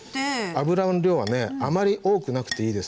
油の量はねあまり多くなくていいですが。